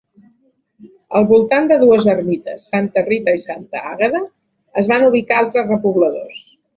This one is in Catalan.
Al voltant de dues ermites, santa Rita i santa Àgueda, es van ubicar altres repobladors.